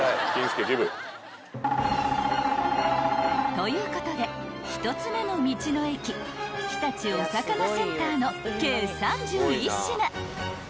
ということで１つ目の道の駅日立おさかなセンターの計３１品］